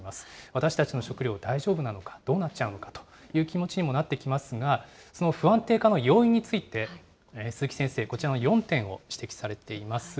私たちの食料、大丈夫なのか、どうなっちゃうのかという気持ちにもなってきますが、その不安定化の要因について、鈴木先生、こちらの４点を指摘されています。